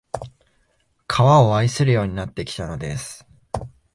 川を愛するようになってきたのです